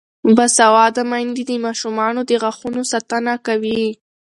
باسواده میندې د ماشومانو د غاښونو ساتنه کوي.